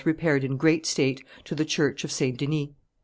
repaired in great state to the church of St. Denis.